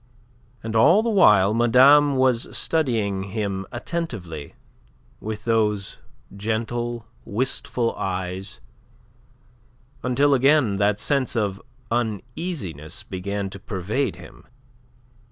And all the while madame was studying him attentively with those gentle, wistful eyes, until again that sense of uneasiness began to pervade him.